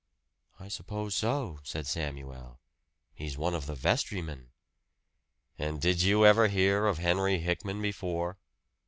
"I suppose so," said Samuel. "He's one of the vestrymen." "And did you ever hear of Henry Hickman before?"